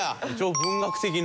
文学的な。